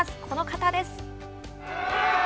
この方です。